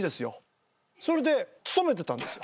それで勤めてたんですよ。